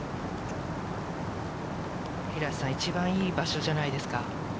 平瀬さん、一番いい場所じゃないですか？